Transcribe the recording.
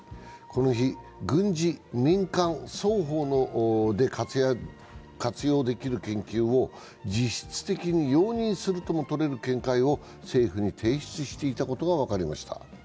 この日、軍事・民間双方で活用できる研究を実質的に容認するともとれる見解を政府に提出していたことが分かりました。